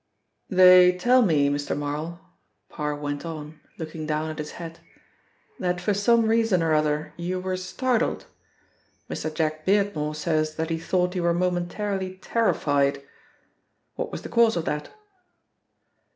"They tell me, Mr. Marl," Parr went on, looking down at his hat, "that for some reason or other you were startled Mr. Jack Beardmore says that he thought you were momentarily terrified. What was the cause of that?"